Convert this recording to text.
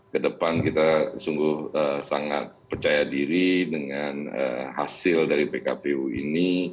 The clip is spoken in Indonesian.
kedepan kita sungguh sangat percaya diri dengan hasil dari pkpu ini